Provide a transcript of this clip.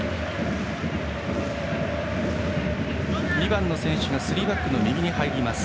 ２番の選手がスリーバックの左に入ります。